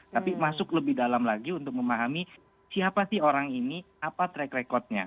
tapi masuk lebih dalam lagi untuk memahami siapa sih orang ini apa track recordnya